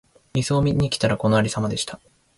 様子を見に来たら、このありさまでした。